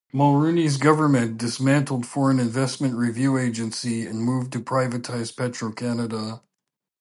Mulroney's government dismantled Foreign Investment Review Agency and moved to privatize Petro-Canada.